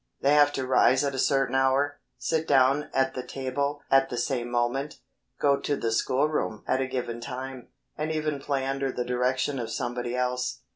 They have to rise at a certain hour, sit down at the table at the same moment, go to the school room at a given time, and even play under the direction of somebody else.